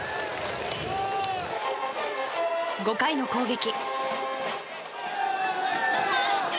５回の攻撃。